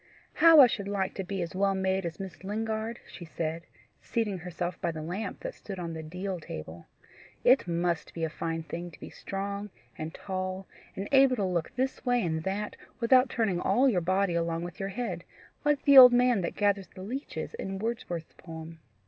"How I should like to be as well made as Miss Lingard!" she said, seating herself by the lamp that stood on the deal table. "It MUST be a fine thing to be strong and tall, and able to look this way and that without turning all your body along with your head, like the old man that gathers the leeches in Wordsworth's poem.